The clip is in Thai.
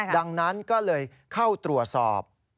ดังนั้นก็เลยเข้าตรวจสอบ